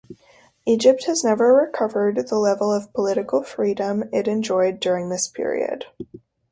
Egypt has never recovered the level of political freedom it enjoyed during this period.